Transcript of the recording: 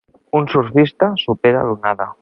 Un surfista supera l'onada.